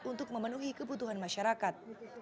untuk memenuhi kebutuhan masyarakat